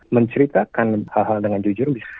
menceritakan hal hal dengan jujur